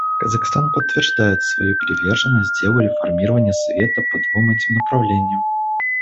Казахстан подтверждает свою приверженность делу реформирования Совета по двум этим направлениям.